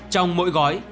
trong mỗi gói